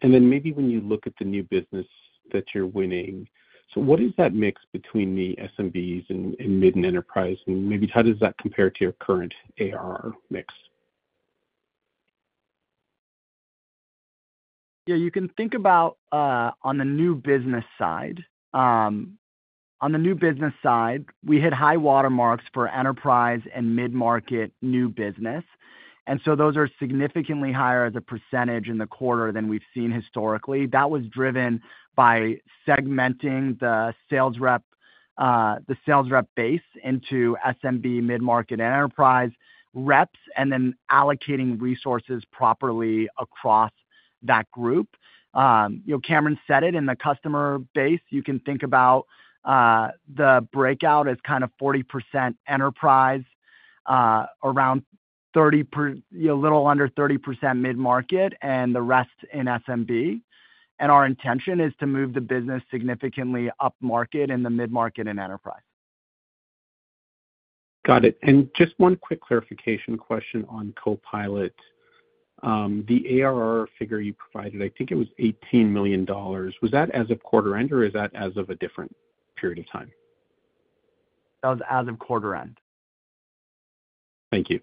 then maybe when you look at the new business that you're winning, so what is that mix between the SMBs and mid and enterprise? And maybe how does that compare to your current ARR mix? Yeah. You can think about on the new business side. On the new business side, we hit high watermarks for enterprise and mid-market new business. And so those are significantly higher as a percentage in the quarter than we've seen historically. That was driven by segmenting the sales rep base into SMB, mid-market, and enterprise reps, and then allocating resources properly across that group. Cameron said it in the customer base. You can think about the breakout as kind of 40% enterprise, around a little under 30% mid-market, and the rest in SMB. And our intention is to move the business significantly upmarket in the mid-market and enterprise. Got it. And just one quick clarification question on Copilot. The ARR figure you provided, I think it was $18 million. Was that as of quarter end, or is that as of a different period of time? That was as of quarter end. Thank you.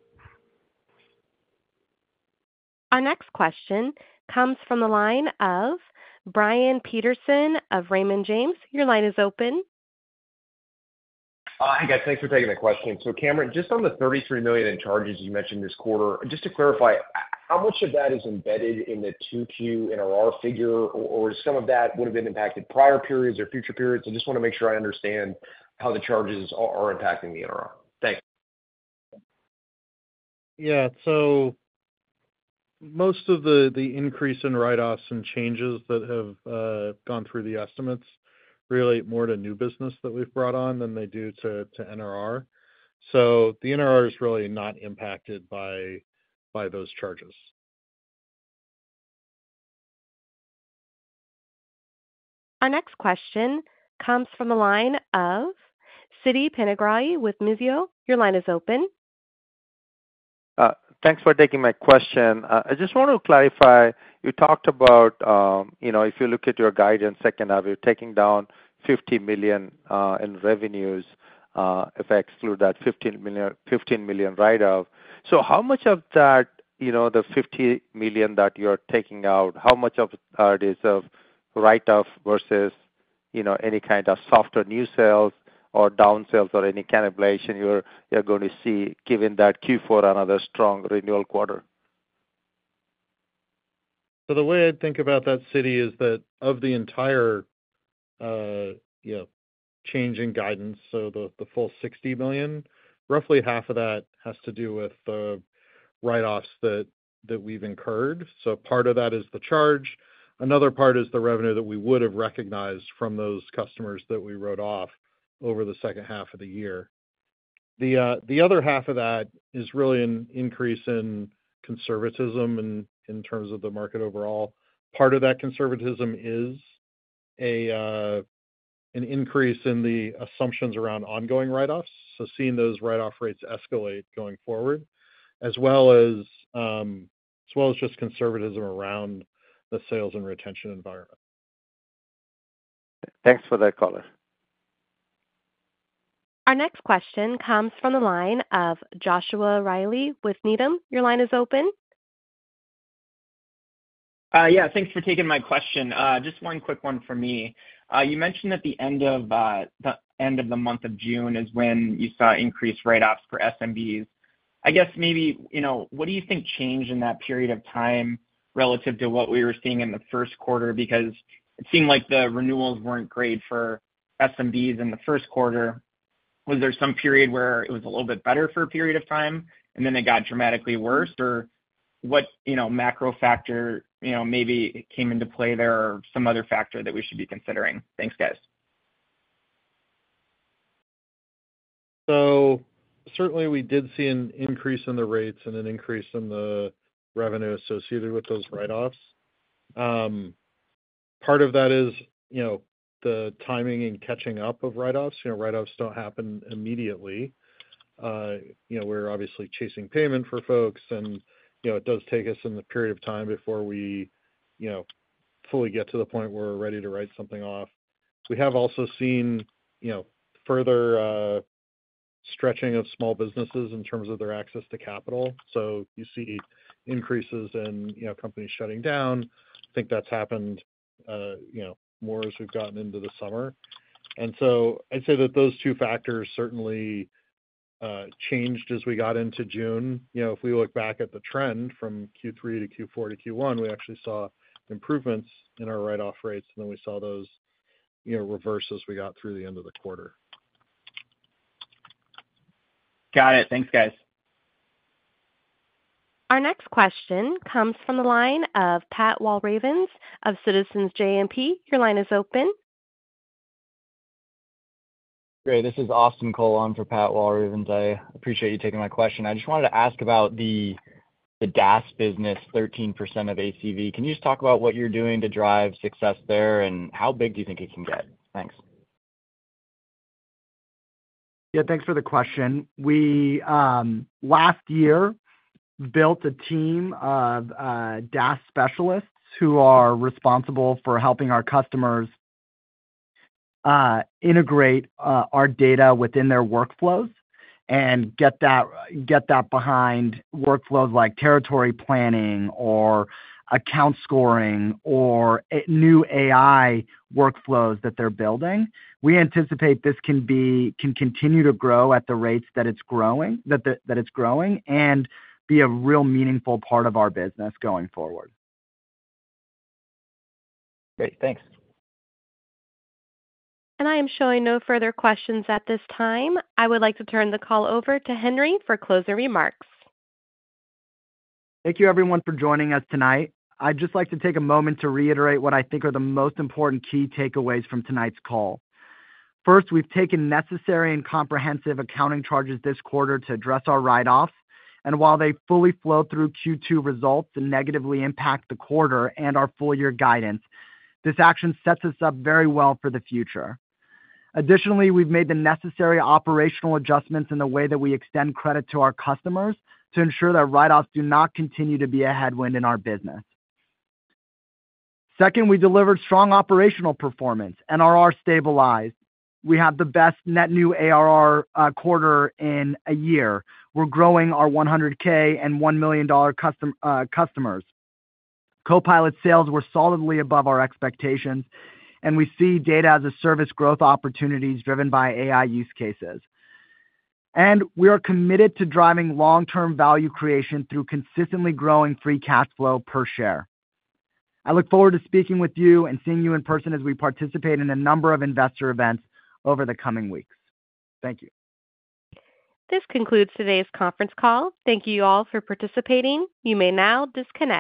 Our next question comes from the line of Brian Peterson of Raymond James. Your line is open. Hi, guys. Thanks for taking the question. So, Cameron, just on the $33 million in charges you mentioned this quarter, just to clarify, how much of that is embedded in the 2Q NRR figure? Or some of that would have been impacted prior periods or future periods? I just want to make sure I understand how the charges are impacting the NRR. Thanks. Yeah. So most of the increase in write-offs and changes that have gone through the estimates relate more to new business that we've brought on than they do to NRR. So the NRR is really not impacted by those charges. Our next question comes from the line of Siti Panigrahi with Mizuho. Your line is open. Thanks for taking my question. I just want to clarify. You talked about, if you look at your guidance, second half, you're taking down $50 million in revenues if I exclude that $15 million write-off. So how much of that, the $50 million that you're taking out, how much of that is a write-off versus any kind of softer new sales or downsells or any cannibalization you're going to see given that Q4 and other strong renewal quarter? So the way I'd think about that, Siti, is that of the entire change in guidance, so the full $60 million, roughly half of that has to do with the write-offs that we've incurred. So part of that is the charge. Another part is the revenue that we would have recognized from those customers that we wrote off over the second half of the year. The other half of that is really an increase in conservatism in terms of the market overall. Part of that conservatism is an increase in the assumptions around ongoing write-offs, so seeing those write-off rates escalate going forward, as well as just conservatism around the sales and retention environment. Thanks for that, caller. Our next question comes from the line of Joshua Reilly with Needham. Your line is open. Yeah. Thanks for taking my question. Just one quick one for me. You mentioned at the end of the month of June is when you saw increased write-offs for SMBs. I guess maybe what do you think changed in that period of time relative to what we were seeing in the first quarter? Because it seemed like the renewals weren't great for SMBs in the first quarter. Was there some period where it was a little bit better for a period of time, and then it got dramatically worse? Or what macro factor maybe came into play there or some other factor that we should be considering? Thanks, guys. So certainly, we did see an increase in the rates and an increase in the revenue associated with those write-offs. Part of that is the timing and catching up of write-offs. Write-offs don't happen immediately. We're obviously chasing payment for folks. And it does take us in the period of time before we fully get to the point where we're ready to write something off. We have also seen further stretching of small businesses in terms of their access to capital. So you see increases in companies shutting down. I think that's happened more as we've gotten into the summer. And so I'd say that those two factors certainly changed as we got into June. If we look back at the trend from Q3 to Q4 to Q1, we actually saw improvements in our write-off rates. And then we saw those reverse as we got through the end of the quarter. Got it. Thanks, guys. Our next question comes from the line of Pat Walravens of Citizens JMP. Your line is open. Great. This is Austin Cole on for Pat Walravens. I appreciate you taking my question. I just wanted to ask about the DaaS business, 13% of ACV. Can you just talk about what you're doing to drive success there and how big do you think it can get? Thanks. Yeah. Thanks for the question. We last year built a team of DaaS specialists who are responsible for helping our customers integrate our data within their workflows and get that behind workflows like territory planning or account scoring or new AI workflows that they're building. We anticipate this can continue to grow at the rates that it's growing and be a real meaningful part of our business going forward. Great. Thanks. I am showing no further questions at this time. I would like to turn the call over to Henry for closing remarks. Thank you, everyone, for joining us tonight. I'd just like to take a moment to reiterate what I think are the most important key takeaways from tonight's call. First, we've taken necessary and comprehensive accounting charges this quarter to address our write-offs. And while they fully flow through Q2 results and negatively impact the quarter and our full-year guidance, this action sets us up very well for the future. Additionally, we've made the necessary operational adjustments in the way that we extend credit to our customers to ensure that write-offs do not continue to be a headwind in our business. Second, we delivered strong operational performance. NRR stabilized. We had the best net new ARR quarter in a year. We're growing our 100K and $1 million customers. Copilot sales were solidly above our expectations. And we see data as a service growth opportunities driven by AI use cases. And we are committed to driving long-term value creation through consistently growing free cash flow per share. I look forward to speaking with you and seeing you in person as we participate in a number of investor events over the coming weeks. Thank you. This concludes today's conference call. Thank you all for participating. You may now disconnect.